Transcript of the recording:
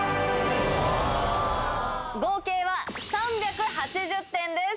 合計は３８０点です。